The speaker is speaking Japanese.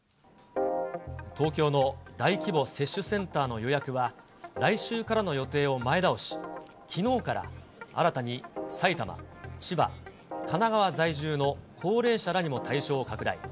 東京の大規模接種センターの予約は、来週からの予定を前倒し、きのうから新たに埼玉、千葉、神奈川在住の高齢者らにも対象を拡大。